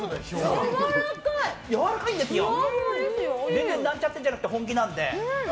全然なんちゃってじゃなくて本気なので。